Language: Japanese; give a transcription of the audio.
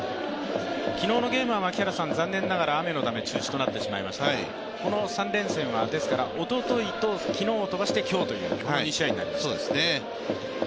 昨日のゲームは残念ながら雨のため中止となってしまいましたが、この３連戦はおとといと昨日を飛ばして今日というこの２試合になりました。